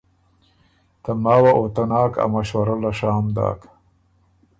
ته ماوه او ته ناک ا مشورۀ له شام داک۔